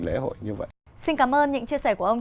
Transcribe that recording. lễ hội như vậy xin cảm ơn những chia sẻ của ông